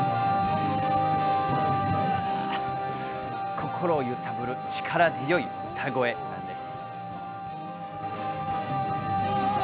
心を揺さぶる力強い歌声なんです。